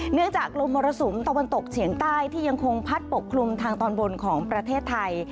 เนื่องจากลมมรสุมตะวันตกเฉียงใต้ที่ยังคงพัดปกคลุมทางตอนบนของประเทศไทย